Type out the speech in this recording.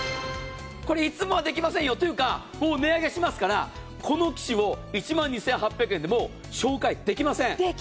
これ、いつもはできませんよ。というか、もう値上げしますから、この機種を１万２８００円でもう紹介できません。